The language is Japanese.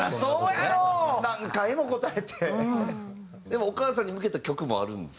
でもお母さんに向けた曲もあるんですか？